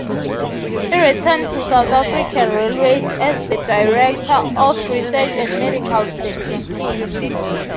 He returned to South African Railways as the Director of Research and Medical Statistics.